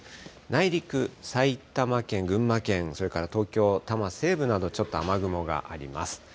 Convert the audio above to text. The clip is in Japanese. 内陸、埼玉県、群馬県、それから東京・多摩西部など、ちょっと雨雲があります。